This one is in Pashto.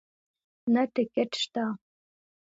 نه ټکټ شته